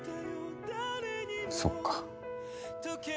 そっか。